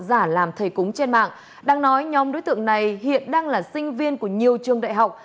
giả làm thầy cúng trên mạng đang nói nhóm đối tượng này hiện đang là sinh viên của nhiều trường đại học